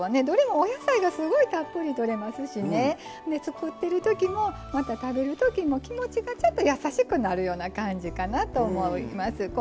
どれもお野菜がすごいたっぷりとれますしね作ってる時もまた食べる時も気持ちがちょっと優しくなるような感じかなと思います。